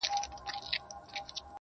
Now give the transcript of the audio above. ښامار په زړه وهلی له کلو راهيسې,